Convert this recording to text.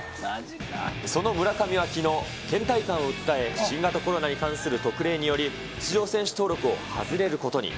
その村上はきのう、けん怠感を訴え、新型コロナに関する特例により、出場選手登録を外れることに。